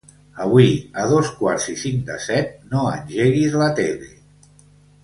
Avui a dos quarts i cinc de set no engeguis la tele.